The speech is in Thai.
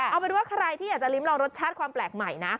เอาเป็นว่าใครที่อยากจะริ้มลองรสชาติความแปลกใหม่นะ